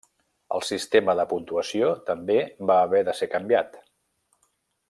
El sistema de puntuació també va haver de ser canviat.